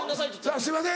「すいません